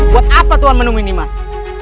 buat apa tuhan menu ini mas